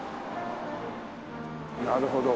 なるほど。